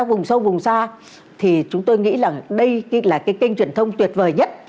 các vùng sâu vùng xa thì chúng tôi nghĩ là đây là cái kênh truyền thông tuyệt vời nhất